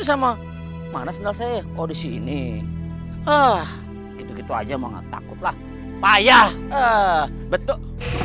sama mana sendal saya oh di sini ah gitu gitu aja mau takutlah payah betul